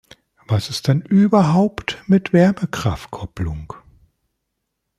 Was ist denn überhaupt mit Wärmekraftkopplung?